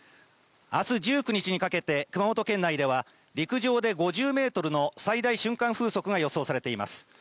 あす１９日にかけて、熊本県内では、陸上で５０メートルの最大瞬間風速が予想されています。